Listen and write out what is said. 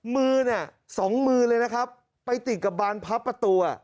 มือเนี่ยสองมือเลยนะครับไปติดกับบานพับประตู